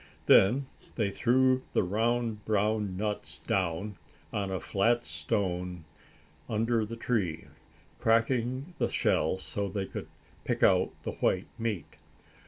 Then they threw the round brown nuts down on a flat stone under the tree, cracking the shell so they could pick out the white meat.